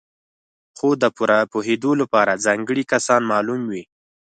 خو د پوره پوهېدو لپاره ځانګړي کسان معلوم وي.